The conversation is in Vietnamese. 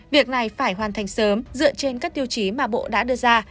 việc này phải hoàn thành sớm dựa trên các tiêu chí mà bộ đã đưa ra